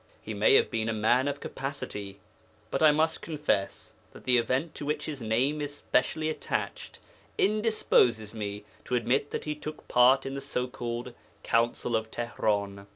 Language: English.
He may have been a man of capacity, but I must confess that the event to which his name is specially attached indisposes me to admit that he took part in the so called 'Council of Tihran.'